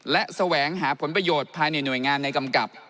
และแสวงหาผลประโยชน์ภายในหน่วยงานในกำกับ